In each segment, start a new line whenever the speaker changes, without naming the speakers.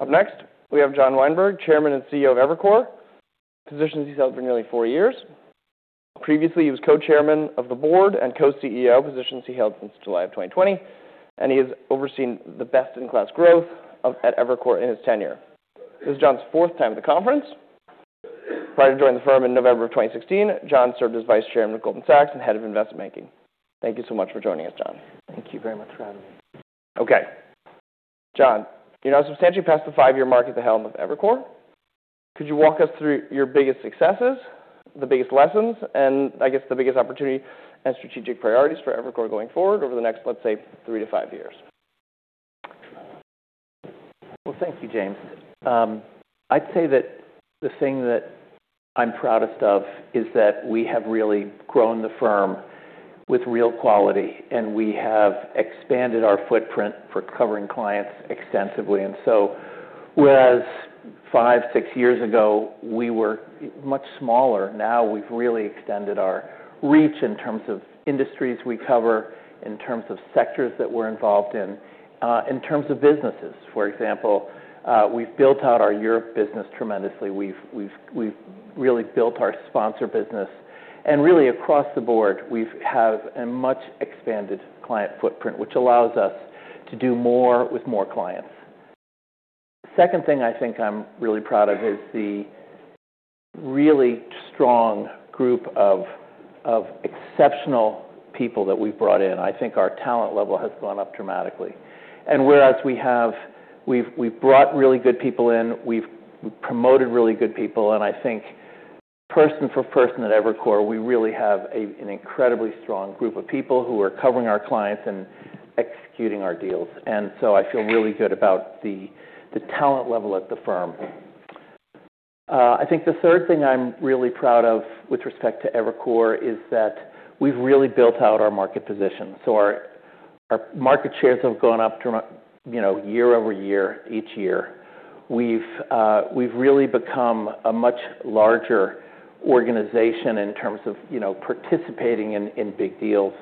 Up next, we have John Weinberg, Chairman and CEO of Evercore. Position has he held for nearly four years. Previously, he was Co-Chairman of the Board and Co-CEO. Position has he held since July of 2020, and he has overseen the best-in-class growth at Evercore in his tenure. This is John's fourth time at the conference. Prior to joining the firm in November of 2016, John served as Vice Chairman of Goldman Sachs and Head of Investment Banking. Thank you so much for joining us, John.
Thank you very much, James.
Okay. John, you're now substantially past the five-year mark at the helm of Evercore. Could you walk us through your biggest successes, the biggest lessons, and, I guess, the biggest opportunity and strategic priorities for Evercore going forward over the next, let's say, three to five years?
Thank you, James. I'd say that the thing that I'm proudest of is that we have really grown the firm with real quality, and we have expanded our footprint for covering clients extensively. So, whereas five, six years ago, we were much smaller, now we've really extended our reach in terms of industries we cover, in terms of sectors that we're involved in, in terms of businesses. For example, we've built out our Europe business tremendously. We've really built our sponsor business. Really, across the board, we have a much expanded client footprint, which allows us to do more with more clients. The second thing I think I'm really proud of is the really strong group of exceptional people that we've brought in. I think our talent level has gone up dramatically. Whereas we've brought really good people in, we've promoted really good people, and I think person for person at Evercore, we really have an incredibly strong group of people who are covering our clients and executing our deals. So I feel really good about the talent level at the firm. I think the third thing I'm really proud of with respect to Evercore is that we've really built out our market position. So our market shares have gone up tremendously, you know, year over year, each year. We've really become a much larger organization in terms of, you know, participating in big deals.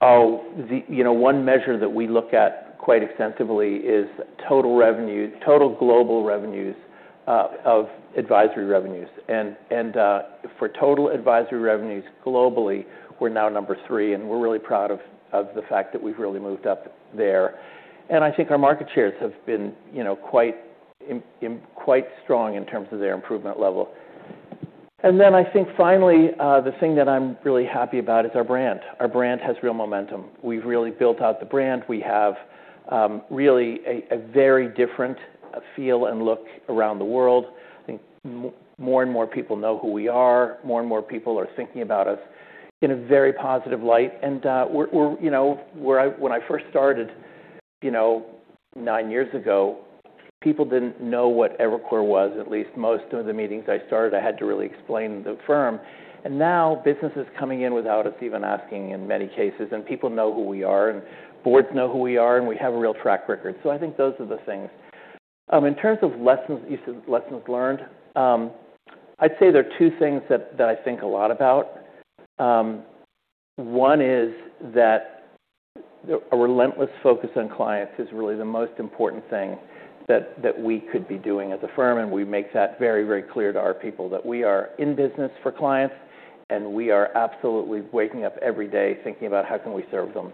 Oh, you know, one measure that we look at quite extensively is total revenue, total global revenues, of advisory revenues. For total advisory revenues globally, we're now number three, and we're really proud of the fact that we've really moved up there. I think our market shares have been, you know, quite, I'm quite strong in terms of their improvement level. Then I think finally, the thing that I'm really happy about is our brand. Our brand has real momentum. We've really built out the brand. We have really a very different feel and look around the world. I think more and more people know who we are. More and more people are thinking about us in a very positive light. We're, you know, where I, when I first started, you know, nine years ago, people didn't know what Evercore was, at least most of the meetings I started. I had to really explain the firm. And now business is coming in without us even asking in many cases, and people know who we are, and boards know who we are, and we have a real track record. So I think those are the things. In terms of lessons, you said lessons learned. I'd say there are two things that, that I think a lot about. One is that a relentless focus on clients is really the most important thing that, that we could be doing as a firm, and we make that very, very clear to our people that we are in business for clients, and we are absolutely waking up every day thinking about how can we serve them.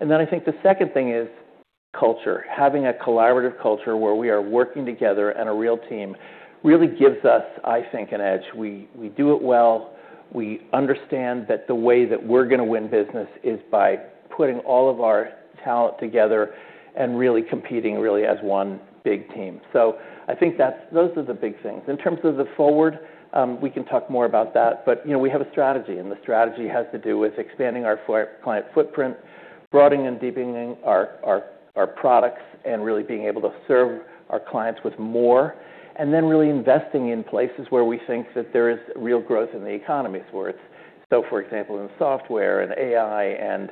And then I think the second thing is culture. Having a collaborative culture where we are working together and a real team really gives us, I think, an edge. We, we do it well. We understand that the way that we're gonna win business is by putting all of our talent together and really competing as one big team. So I think that's, those are the big things. In terms of the forward, we can talk more about that, but, you know, we have a strategy, and the strategy has to do with expanding our client footprint, broadening and deepening our products, and really being able to serve our clients with more. And then really investing in places where we think that there is real growth, so, for example, in software and AI and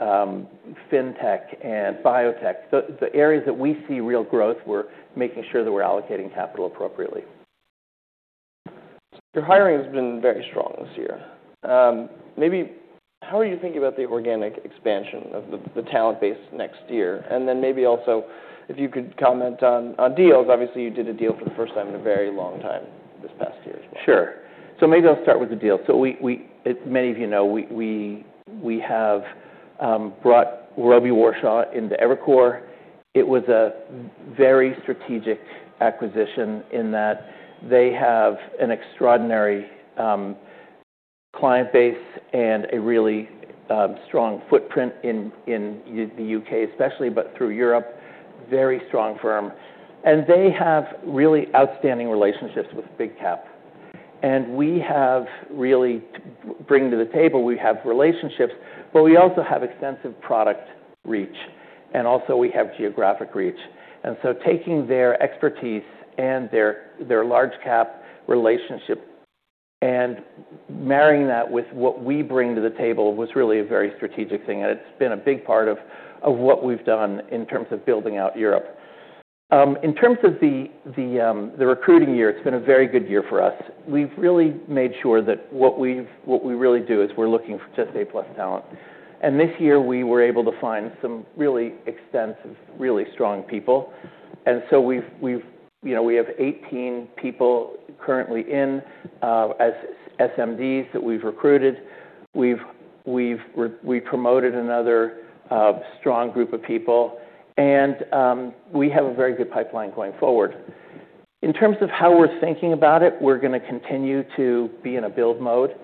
FinTech and biotech. The areas that we see real growth, we're making sure that we're allocating capital appropriately.
Your hiring has been very strong this year. Maybe how are you thinking about the organic expansion of the talent base next year? And then maybe also if you could comment on deals. Obviously, you did a deal for the first time in a very long time this past year as well. Sure.
So maybe I'll start with the deal. So we—as many of you know, we have brought Robey Warshaw into Evercore. It was a very strategic acquisition in that they have an extraordinary client base and a really strong footprint in the UK especially, but through Europe. Very strong firm. And they have really outstanding relationships with big cap. And we have really—bringing to the table, we have relationships, but we also have extensive product reach, and also we have geographic reach. And so taking their expertise and their large cap relationship and marrying that with what we bring to the table was really a very strategic thing, and it's been a big part of what we've done in terms of building out Europe. In terms of the recruiting year, it's been a very good year for us. We've really made sure that what we really do is we're looking for just A-plus talent. And this year, we were able to find some really extensive, really strong people. And so we've, you know, we have 18 people currently in, as SMDs that we've recruited. We promoted another strong group of people, and we have a very good pipeline going forward. In terms of how we're thinking about it, we're gonna continue to be in a build mode.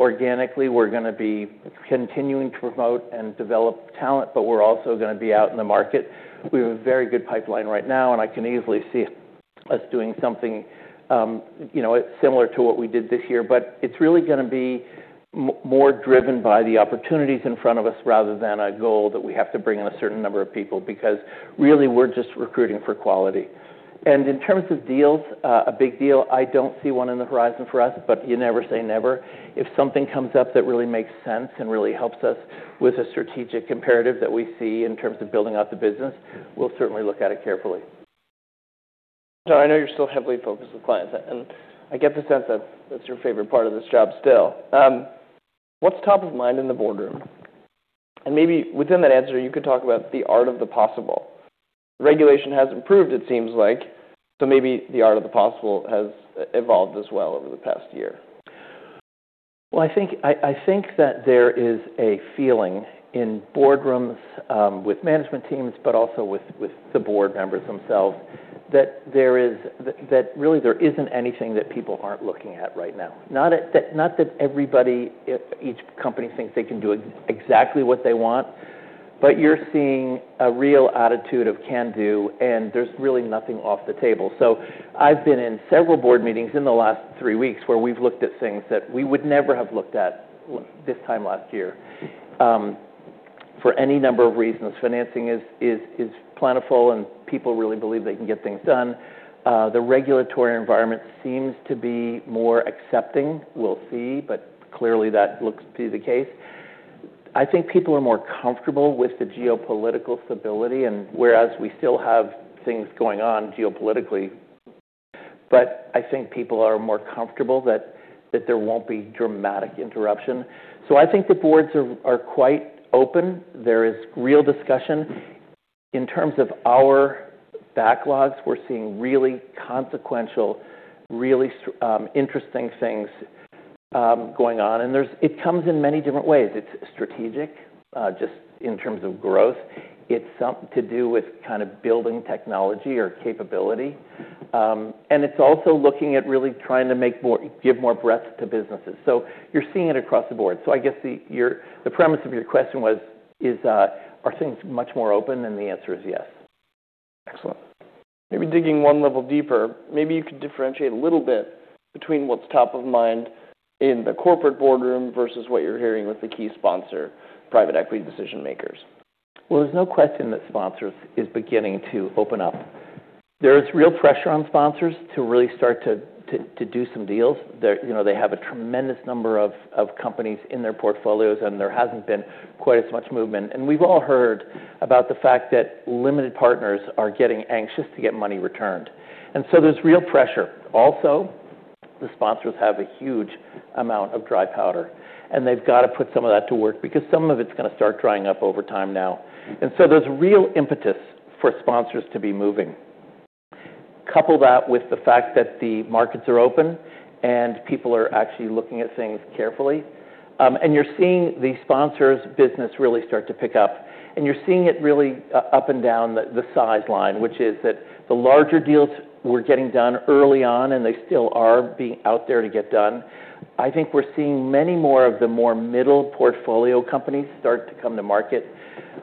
Organically, we're gonna be continuing to promote and develop talent, but we're also gonna be out in the market. We have a very good pipeline right now, and I can easily see us doing something, you know, similar to what we did this year, but it's really gonna be more driven by the opportunities in front of us rather than a goal that we have to bring in a certain number of people because really we're just recruiting for quality, and in terms of deals, a big deal, I don't see one on the horizon for us, but you never say never. If something comes up that really makes sense and really helps us with a strategic imperative that we see in terms of building out the business, we'll certainly look at it carefully.
John, I know you're still heavily focused with clients, and I get the sense that that's your favorite part of this job still. What's top of mind in the boardroom? And maybe within that answer, you could talk about the art of the possible. Regulation has improved, it seems like, so maybe the art of the possible has evolved as well over the past year?
I think that there is a feeling in boardrooms, with management teams, but also with the board members themselves, that really there isn't anything that people aren't looking at right now. Not that everybody at each company thinks they can do exactly what they want, but you're seeing a real attitude of can-do, and there's really nothing off the table. So I've been in several board meetings in the last three weeks where we've looked at things that we would never have looked at this time last year. For any number of reasons, financing is plentiful, and people really believe they can get things done. The regulatory environment seems to be more accepting. We'll see, but clearly that looks to be the case. I think people are more comfortable with the geopolitical stability, and whereas we still have things going on geopolitically, but I think people are more comfortable that there won't be dramatic interruption. So I think the boards are quite open. There is real discussion. In terms of our backlogs, we're seeing really consequential, really interesting things going on. And there's it comes in many different ways. It's strategic, just in terms of growth. It's something to do with kind of building technology or capability, and it's also looking at really trying to give more breadth to businesses. So you're seeing it across the board. So I guess the premise of your question was, are things much more open? And the answer is yes.
Excellent. Maybe digging one level deeper, maybe you could differentiate a little bit between what's top of mind in the corporate boardroom versus what you're hearing with the key sponsor, private equity decision-makers?
There's no question that sponsors are beginning to open up. There is real pressure on sponsors to really start to do some deals. They're, you know, they have a tremendous number of companies in their portfolios, and there hasn't been quite as much movement. We've all heard about the fact that limited partners are getting anxious to get money returned. So there's real pressure. Also, the sponsors have a huge amount of dry powder, and they've got to put some of that to work because some of it's gonna start drying up over time now. So there's real impetus for sponsors to be moving. Couple that with the fact that the markets are open and people are actually looking at things carefully, and you're seeing the sponsors' business really start to pick up. You're seeing it really up and down the size line, which is that the larger deals were getting done early on, and they still are being out there to get done. I think we're seeing many more of the more middle portfolio companies start to come to market.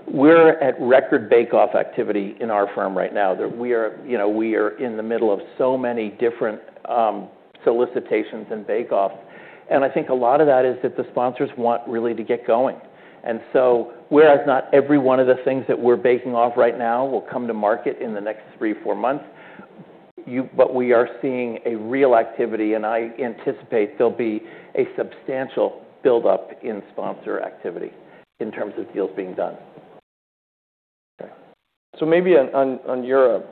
We're at record bake-off activity in our firm right now. We are, you know, we are in the middle of so many different solicitations and bake-offs. I think a lot of that is that the sponsors want really to get going. So whereas not every one of the things that we're baking off right now will come to market in the next three, four months, but we are seeing a real activity, and I anticipate there'll be a substantial build-up in sponsor activity in terms of deals being done.
Okay. So maybe on Europe,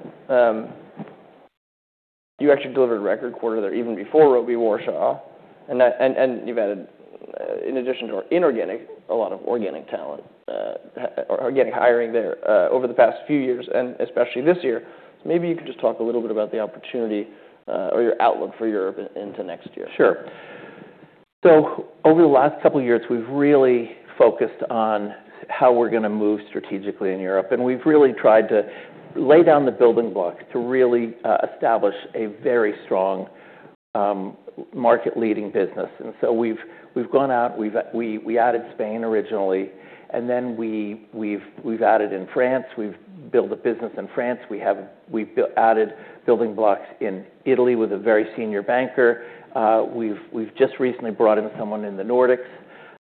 you actually delivered record quarter there even before Robey Warshaw, and that, and you've added, in addition to inorganic, a lot of organic talent, or organic hiring there, over the past few years, and especially this year. So maybe you could just talk a little bit about the opportunity, or your outlook for Europe into next year.
Sure. So over the last couple of years, we've really focused on how we're gonna move strategically in Europe, and we've really tried to lay down the building blocks to really establish a very strong, market-leading business. And so we've gone out, we added Spain originally, and then we've added in France. We've built a business in France. We've built added building blocks in Italy with a very senior banker. We've just recently brought in someone in the Nordics,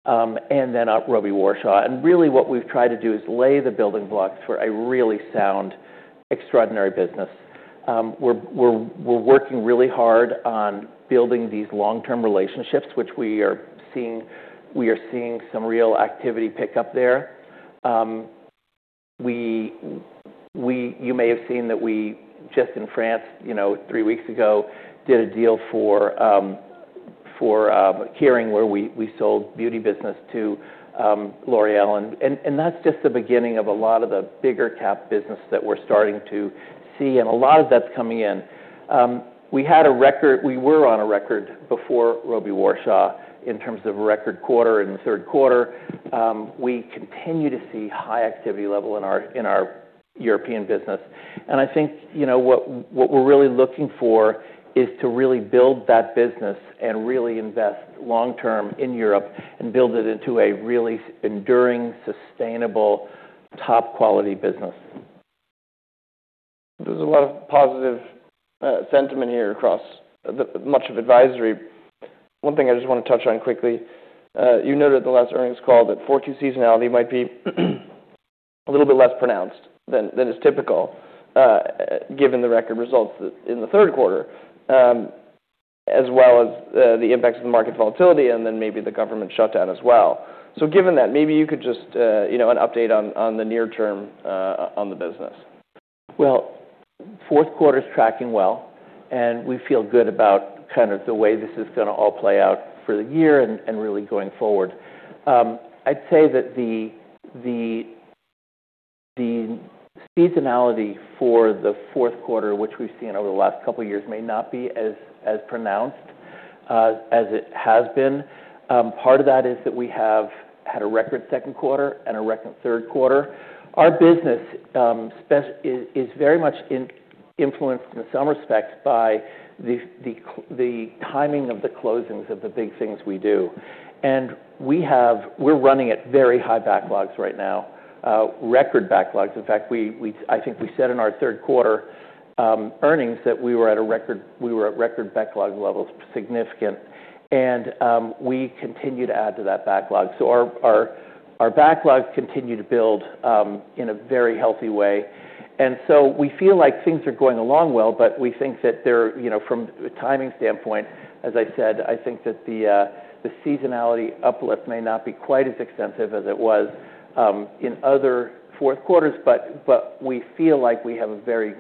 and then a Robey Warshaw. And really what we've tried to do is lay the building blocks for a really sound, extraordinary business. We're working really hard on building these long-term relationships, which we are seeing some real activity pick up there. We, you may have seen that we just in France, you know, three weeks ago, did a deal for Kering where we sold beauty business to L'Oréal. And that's just the beginning of a lot of the bigger cap business that we're starting to see, and a lot of that's coming in. We had a record. We were on a record before Robey Warshaw in terms of a record quarter and third quarter. We continue to see high activity level in our European business. And I think, you know, what we're really looking for is to really build that business and really invest long-term in Europe and build it into a really enduring, sustainable, top-quality business.
There's a lot of positive sentiment here across much of advisory. One thing I just want to touch on quickly, you noted at the last earnings call that forward seasonality might be a little bit less pronounced than is typical, given the record results in the third quarter, as well as the impacts of the market volatility and then maybe the government shutdown as well. So given that, maybe you could just, you know, an update on the near term, on the business.
Fourth quarter's tracking well, and we feel good about kind of the way this is gonna all play out for the year and really going forward. I'd say that the seasonality for the fourth quarter, which we've seen over the last couple of years, may not be as pronounced as it has been. Part of that is that we have had a record second quarter and a record third quarter. Our business is very much influenced in some respects by the timing of the closings of the big things we do. We're running at very high backlogs right now, record backlogs. In fact, I think we said in our third quarter earnings that we were at record backlog levels, significant. And we continue to add to that backlog. Our backlogs continue to build in a very healthy way. We feel like things are going along well, but we think that they're, you know, from a timing standpoint, as I said, I think that the seasonality uplift may not be quite as extensive as it was in other fourth quarters, but we feel like we have a very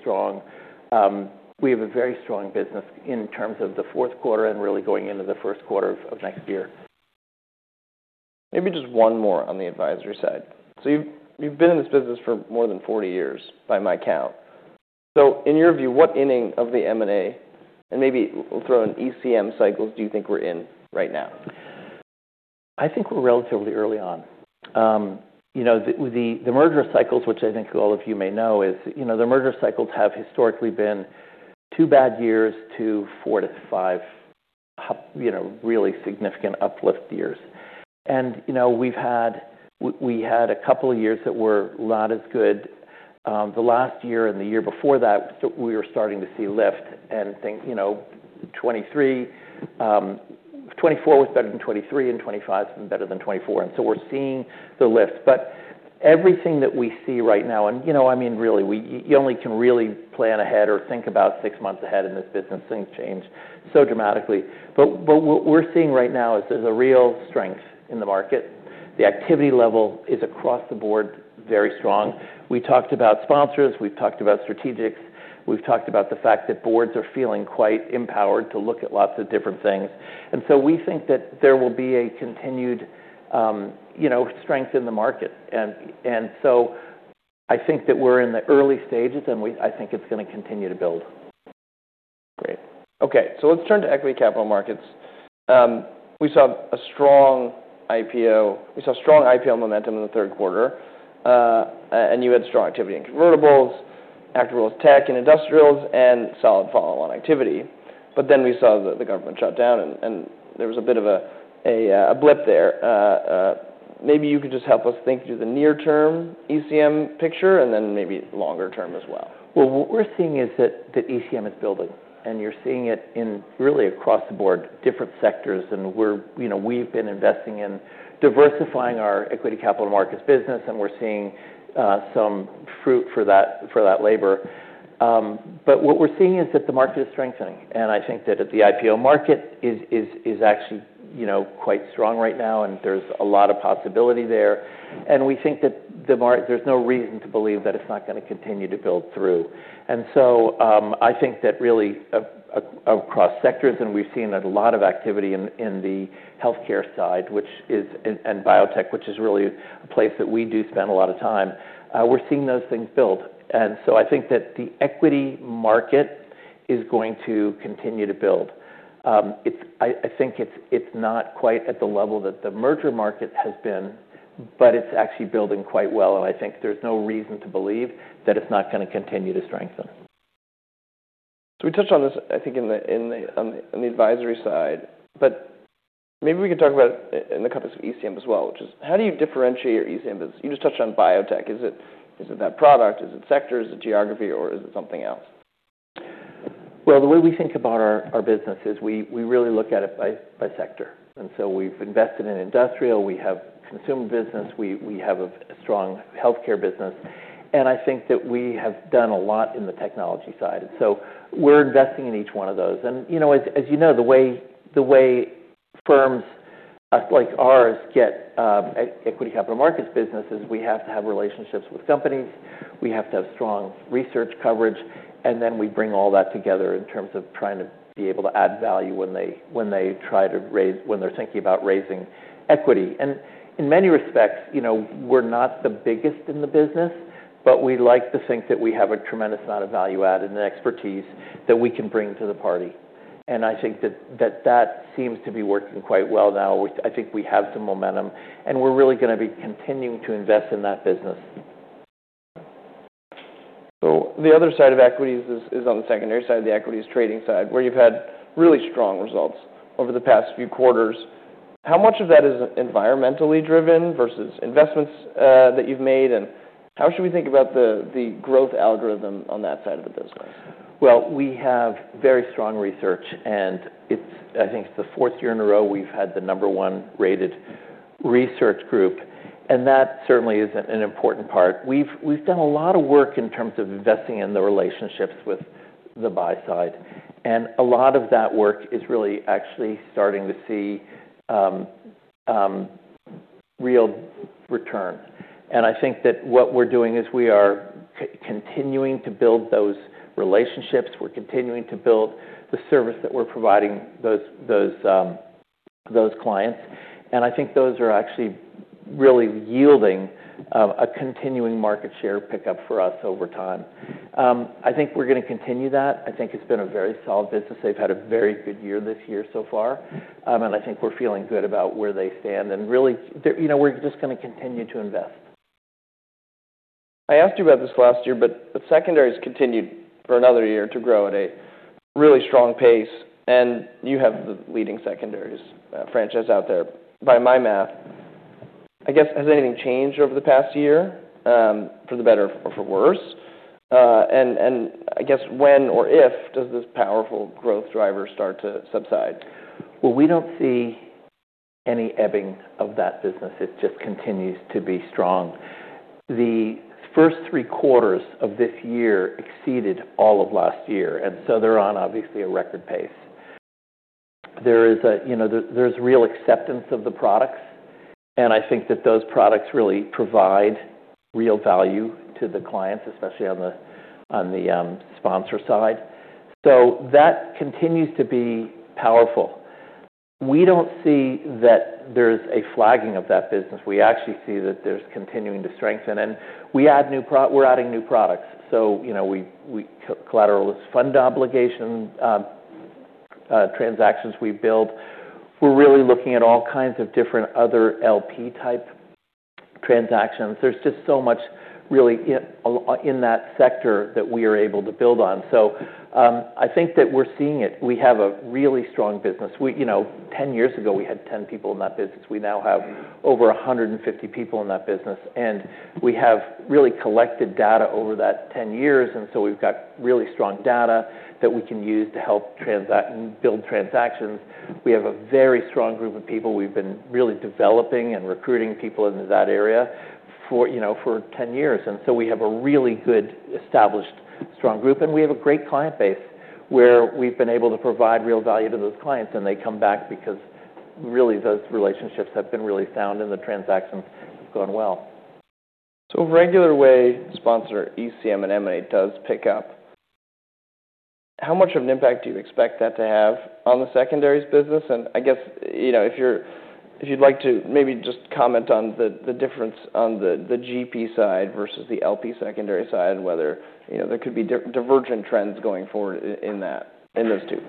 strong business in terms of the fourth quarter and really going into the first quarter of next year.
Maybe just one more on the advisory side. So you've been in this business for more than 40 years by my count. So in your view, what inning of the M&A and maybe we'll throw in ECM cycles, do you think we're in right now?
I think we're relatively early on. You know, the merger cycles, which I think all of you may know, you know, the merger cycles have historically been two bad years to four to five, you know, really significant uplift years. And you know, we had a couple of years that were not as good. The last year and the year before that, we were starting to see lift. And think, you know, 2023, 2024 was better than 2023, and 2025's been better than 2024. And so we're seeing the lift. But everything that we see right now, and you know, I mean, really, you only can really plan ahead or think about six months ahead in this business. Things change so dramatically. But what we're seeing right now is there's a real strength in the market. The activity level is across the board very strong. We talked about sponsors. We've talked about strategics. We've talked about the fact that boards are feeling quite empowered to look at lots of different things. And so we think that there will be a continued, you know, strength in the market. And, and so I think that we're in the early stages, and we, I think it's gonna continue to build.
Great. Okay. So let's turn to equity capital markets. We saw a strong IPO. We saw strong IPO momentum in the third quarter, and you had strong activity in convertibles, actual tech and industrials, and solid follow-on activity. But then we saw the government shutdown, and there was a bit of a blip there. Maybe you could just help us think through the near-term ECM picture and then maybe longer-term as well.
What we're seeing is that ECM is building, and you're seeing it really across the board, different sectors. And we're, you know, we've been investing in diversifying our equity capital markets business, and we're seeing some fruit for that labor. But what we're seeing is that the market is strengthening. And I think that the IPO market is actually, you know, quite strong right now, and there's a lot of possibility there. And we think that the market—there's no reason to believe that it's not gonna continue to build through. And so I think that really across sectors, and we've seen a lot of activity in the healthcare side, which is and biotech, which is really a place that we do spend a lot of time, we're seeing those things build. And so I think that the equity market is going to continue to build. It's not quite at the level that the merger market has been, but it's actually building quite well. And I think there's no reason to believe that it's not gonna continue to strengthen.
So we touched on this, I think, on the advisory side, but maybe we could talk about it in the context of ECM as well, which is how do you differentiate your ECM business? You just touched on biotech. Is it that product? Is it sectors? Is it geography? Or is it something else?
The way we think about our business is we really look at it by sector. And so we've invested in industrial. We have consumer business. We have a strong healthcare business. And I think that we have done a lot in the technology side. And so we're investing in each one of those. And, you know, as you know, the way firms like ours get equity capital markets businesses, we have to have relationships with companies. We have to have strong research coverage. And then we bring all that together in terms of trying to be able to add value when they try to raise, when they're thinking about raising equity. In many respects, you know, we're not the biggest in the business, but we'd like to think that we have a tremendous amount of value added and expertise that we can bring to the party. I think that seems to be working quite well now. I think we have some momentum, and we're really gonna be continuing to invest in that business.
So the other side of equities is on the secondary side of the equities trading side where you've had really strong results over the past few quarters. How much of that is environmentally driven versus investments that you've made? And how should we think about the growth algorithm on that side of the business?
We have very strong research, and it's, I think it's the fourth year in a row we've had the number one rated research group. And that certainly is an important part. We've done a lot of work in terms of investing in the relationships with the buy side. And a lot of that work is really actually starting to see real returns. And I think that what we're doing is we are continuing to build those relationships. We're continuing to build the service that we're providing those clients. And I think those are actually really yielding a continuing market share pickup for us over time. I think we're gonna continue that. I think it's been a very solid business. They've had a very good year this year so far. And I think we're feeling good about where they stand. Really, there, you know, we're just gonna continue to invest.
I asked you about this last year, but the secondaries continued for another year to grow at a really strong pace. And you have the leading secondaries franchise out there. By my math, I guess, has anything changed over the past year, for the better or for worse? And I guess when or if does this powerful growth driver start to subside?
We don't see any ebbing of that business. It just continues to be strong. The first three quarters of this year exceeded all of last year. And so they're on obviously a record pace. There is, you know, real acceptance of the products. And I think that those products really provide real value to the clients, especially on the sponsor side. So that continues to be powerful. We don't see that there's a flagging of that business. We actually see that there's continuing to strengthen. And we're adding new products. So, you know, we collateralized fund obligation transactions we build. We're really looking at all kinds of different other LP-type transactions. There's just so much really, you know, a lot in that sector that we are able to build on. So, I think that we're seeing it. We have a really strong business. We, you know, 10 years ago, we had 10 people in that business. We now have over 150 people in that business. And we have really collected data over that 10 years. And so we've got really strong data that we can use to help transact and build transactions. We have a very strong group of people. We've been really developing and recruiting people into that area for, you know, for 10 years. And so we have a really good established strong group. And we have a great client base where we've been able to provide real value to those clients. And they come back because really those relationships have been really sound, and the transactions have gone well.
So regular way sponsor ECM and M&A does pick up. How much of an impact do you expect that to have on the secondaries business? And I guess, you know, if you'd like to maybe just comment on the difference on the GP side versus the LP secondaries side, whether, you know, there could be divergent trends going forward in that, in those two.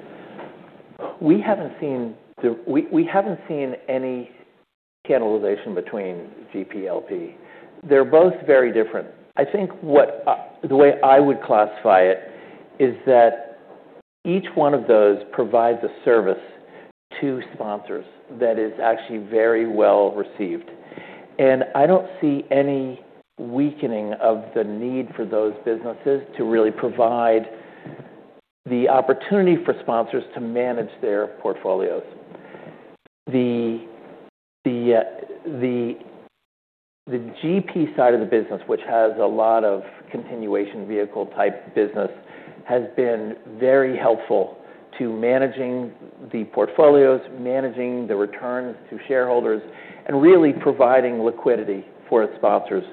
We haven't seen any cannibalization between GP, LP. They're both very different. I think the way I would classify it is that each one of those provides a service to sponsors that is actually very well received, and I don't see any weakening of the need for those businesses to really provide the opportunity for sponsors to manage their portfolios. The GP side of the business, which has a lot of continuation vehicle type business, has been very helpful to managing the portfolios, managing the returns to shareholders, and really providing liquidity for its sponsors.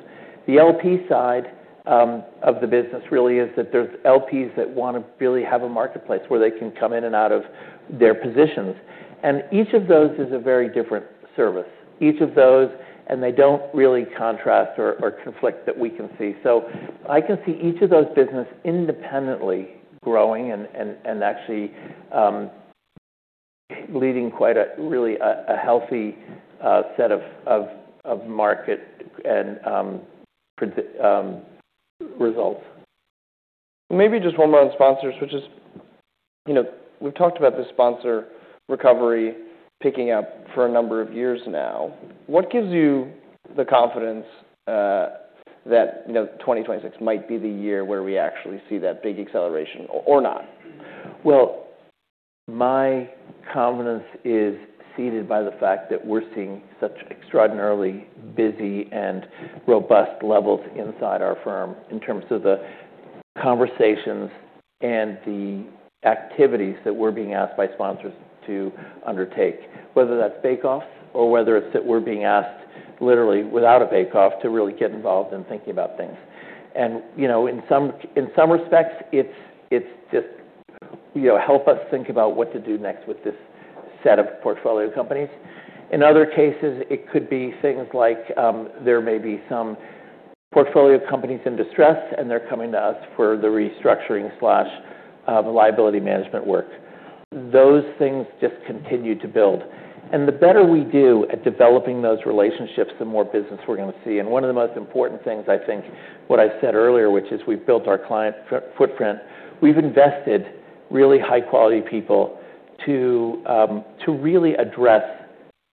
The LP side of the business really is that there's LPs that wanna really have a marketplace where they can come in and out of their positions, and each of those is a very different service. Each of those, and they don't really contrast or conflict that we can see. So I can see each of those businesses independently growing and actually leading quite a really healthy set of market and presence results.
Maybe just one more on sponsors, which is, you know, we've talked about the sponsor recovery picking up for a number of years now. What gives you the confidence, that, you know, 2026 might be the year where we actually see that big acceleration or not?
My confidence is seeded by the fact that we're seeing such extraordinarily busy and robust levels inside our firm in terms of the conversations and the activities that we're being asked by sponsors to undertake, whether that's bake-offs or whether it's that we're being asked literally without a bake-off to really get involved in thinking about things. You know, in some respects, it's just, you know, help us think about what to do next with this set of portfolio companies. In other cases, it could be things like there may be some portfolio companies in distress, and they're coming to us for the restructuring/liability management work. Those things just continue to build. The better we do at developing those relationships, the more business we're gonna see. And one of the most important things, I think, what I said earlier, which is we've built our client footprint, we've invested really high-quality people to really address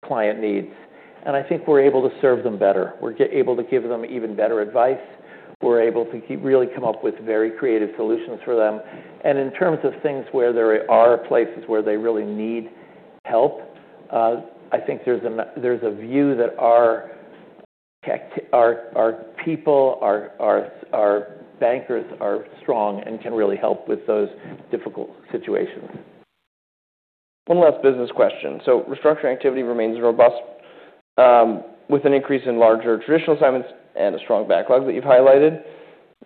client needs. And I think we're able to serve them better. We're able to give them even better advice. We're able to really come up with very creative solutions for them. And in terms of things where there are places where they really need help, I think there's a view that our tech, our people, our bankers are strong and can really help with those difficult situations.
One last business question. So restructuring activity remains robust, with an increase in larger traditional assignments and a strong backlog that you've highlighted.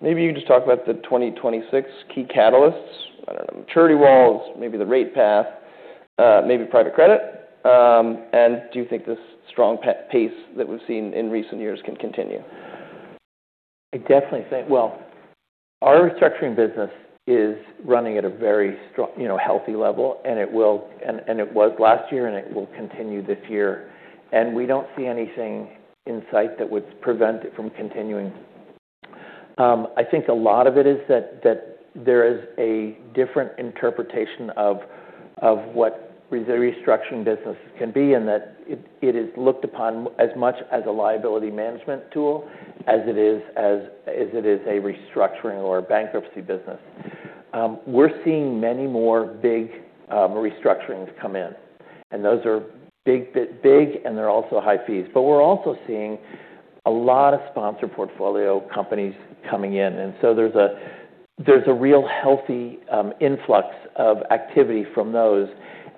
Maybe you can just talk about the 2026 key catalysts? I don't know, maturity walls, maybe the rate path, maybe private credit, and do you think this strong pace that we've seen in recent years can continue?
I definitely think, well, our restructuring business is running at a very strong, you know, healthy level, and it will, and it was last year, and it will continue this year, and we don't see anything in sight that would prevent it from continuing. I think a lot of it is that there is a different interpretation of what the restructuring business can be and that it is looked upon as much as a liability management tool as it is a restructuring or a bankruptcy business. We're seeing many more big restructurings come in. And those are big, big, big, and they're also high fees. But we're also seeing a lot of sponsor portfolio companies coming in, and so there's a real healthy influx of activity from those.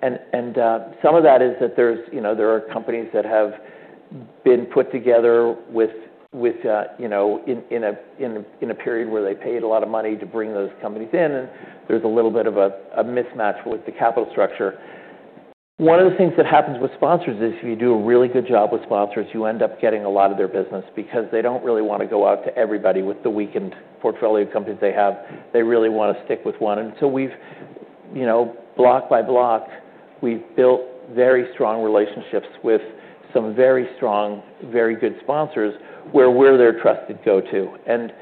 Some of that is that there's, you know, there are companies that have been put together with, you know, in a period where they paid a lot of money to bring those companies in. There's a little bit of a mismatch with the capital structure. One of the things that happens with sponsors is if you do a really good job with sponsors, you end up getting a lot of their business because they don't really wanna go out to everybody with the weakened portfolio companies they have. They really wanna stick with one. So we've, you know, block by block, we've built very strong relationships with some very strong, very good sponsors where we're their trusted go-to. And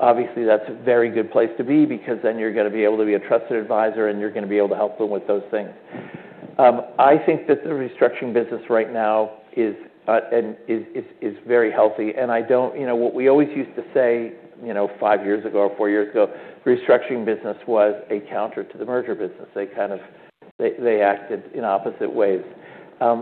obviously, that's a very good place to be because then you're gonna be able to be a trusted advisor, and you're gonna be able to help them with those things. I think that the restructuring business right now is very healthy. And I don't, you know, what we always used to say, you know, five years ago or four years ago, restructuring business was a counter to the merger business. They kind of acted in opposite ways.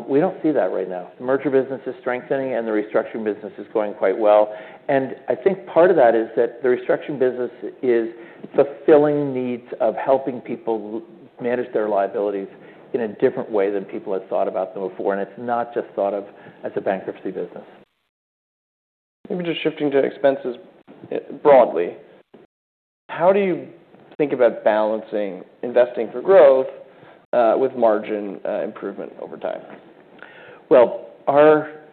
We don't see that right now. The merger business is strengthening, and the restructuring business is going quite well. And I think part of that is that the restructuring business is fulfilling needs of helping people manage their liabilities in a different way than people had thought about them before. And it's not just thought of as a bankruptcy business.
Maybe just shifting to expenses broadly. How do you think about balancing investing for growth, with margin, improvement over time?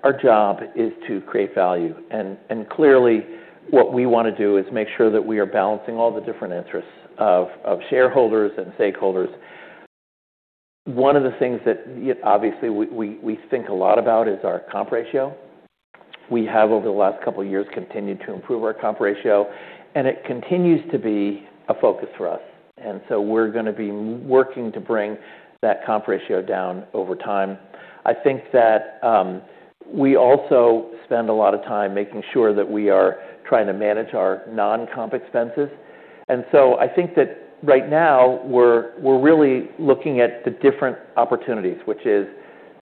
Our job is to create value. And clearly, what we wanna do is make sure that we are balancing all the different interests of shareholders and stakeholders. One of the things that, you know, obviously, we think a lot about is our comp ratio. We have, over the last couple of years, continued to improve our comp ratio. And it continues to be a focus for us. And so we're gonna be working to bring that comp ratio down over time. I think that, we also spend a lot of time making sure that we are trying to manage our non-comp expenses. And so I think that right now, we're really looking at the different opportunities, which is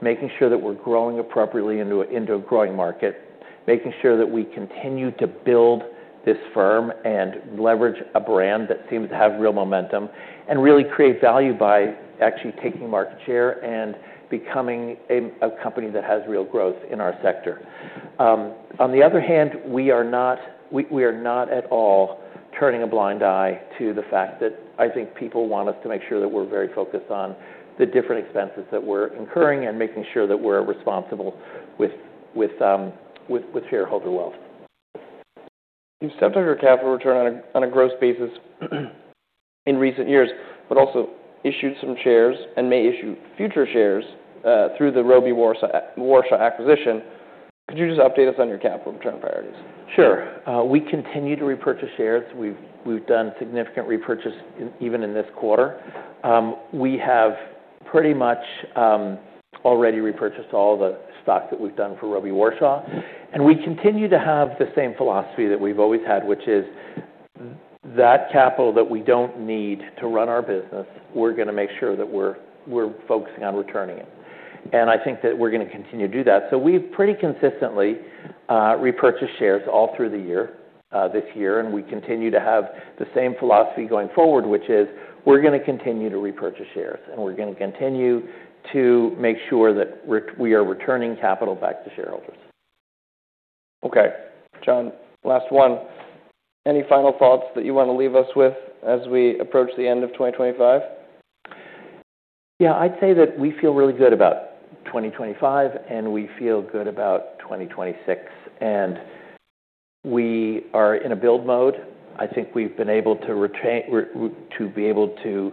making sure that we're growing appropriately into a growing market, making sure that we continue to build this firm and leverage a brand that seems to have real momentum, and really create value by actually taking market share and becoming a company that has real growth in our sector. On the other hand, we are not at all turning a blind eye to the fact that I think people want us to make sure that we're very focused on the different expenses that we're incurring and making sure that we're responsible with shareholder wealth.
You've stepped up your capital return on a gross basis in recent years, but also issued some shares and may issue future shares through the Robey Warshaw acquisition. Could you just update us on your capital return priorities?
Sure. We continue to repurchase shares. We've done significant repurchase even in this quarter. We have pretty much already repurchased all the stock that we've done for Robey Warshaw. And we continue to have the same philosophy that we've always had, which is that capital that we don't need to run our business, we're gonna make sure that we're focusing on returning it. And I think that we're gonna continue to do that. So we've pretty consistently repurchased shares all through the year, this year. And we continue to have the same philosophy going forward, which is we're gonna continue to repurchase shares. And we're gonna continue to make sure that we're, we are returning capital back to shareholders.
Okay. John, last one. Any final thoughts that you wanna leave us with as we approach the end of 2025?
Yeah. I'd say that we feel really good about 2025, and we feel good about 2026. And we are in a build mode. I think we've been able to retain. We're able to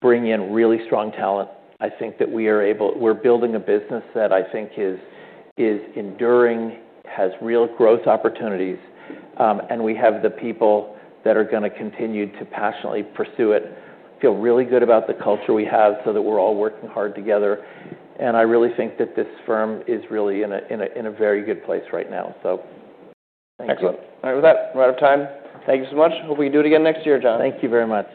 bring in really strong talent. I think we're building a business that I think is enduring, has real growth opportunities. And we have the people that are gonna continue to passionately pursue it. We feel really good about the culture we have so that we're all working hard together. And I really think that this firm is really in a very good place right now. So thank you.
Excellent. All right. With that, we're out of time. Thank you so much. Hope we can do it again next year, John.
Thank you very much.